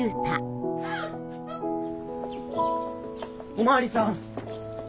お巡りさん！